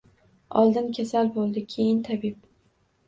Oldin kasal boʻldi, keyin tabib